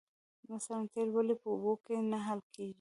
مثلاً تیل ولې په اوبو کې نه حل کیږي